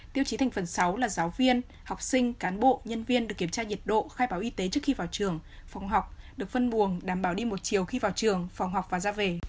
tiêu chí thành phần sáu là giáo viên học sinh cán bộ nhân viên được kiểm tra nhiệt độ khai báo y tế trước khi vào trường phòng học được phân luồng đảm bảo đi một chiều khi vào trường phòng học và ra về